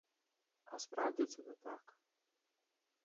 А справді це не так.